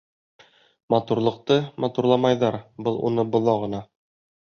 Матурлыҡты матурламайҙар — был уны боҙа ғына.